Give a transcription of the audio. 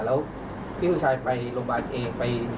แล้วพี่ผู้ชายไปโรงพยาบาลเอง